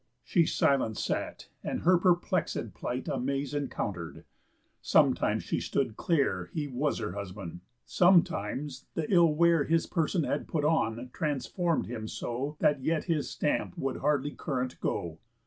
She silent sat, and her perplexéd plight Amaze encounter'd. Sometimes she stood clear He was her husband; sometimes the ill wear His person had put on transform'd him so That yet his stamp would hardly current go.